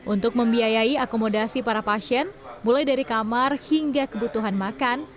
untuk membiayai akomodasi para pasien mulai dari kamar hingga kebutuhan makan